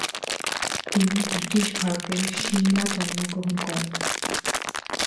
তিনি ব্রিটিশ ভারতের শিমলা জন্মগ্রহণ করেন।